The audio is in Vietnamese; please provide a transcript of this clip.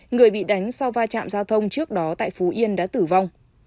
người bị đánh sau va chạm giao thông trước đó tại phú yên đã tử vong